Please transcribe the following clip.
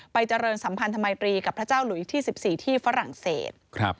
เจริญสัมพันธมัยตรีกับพระเจ้าหลุยที่๑๔ที่ฝรั่งเศส